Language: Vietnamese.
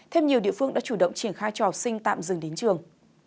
thêm nhiều địa phương đã chủ động triển khai trò sinh tạm dừng đến trường